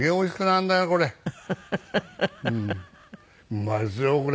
うまいですよこれ。